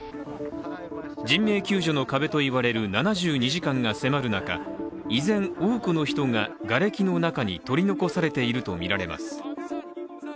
人命救助の壁といわれる７２時間が迫る中依然、多くの人ががれきの中に取り残されているとみられます。